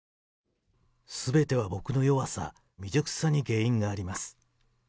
すべては僕の弱さ、未熟さに原因があります。